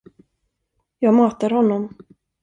Jag matar honom.